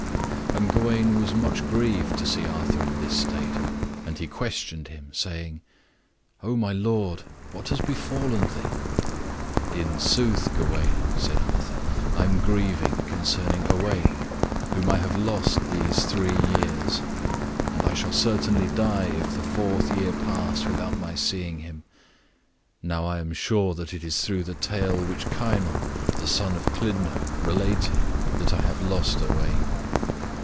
And Gawain was much grieved to see Arthur in his state, and he questioned him, saying, "O my lord, what has befallen thee?" "In sooth, Gawain," said Arthur, "I am grieved concerning Owain, whom I have lost these three years; and I shall certainly die if the fourth year pass without my seeing him. Now I am sure that it is through the tale which Kynon, the son of Clydno, related, that I have lost Owain."